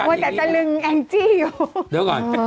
เดี๋ยวก่อน